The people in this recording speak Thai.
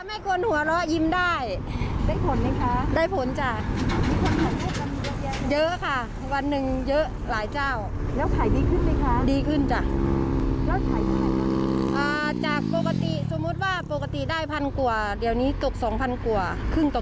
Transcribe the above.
นี่ไงโอ้โฮจาก๑๒๐๐บาทขายได้๒๐๐๐บาท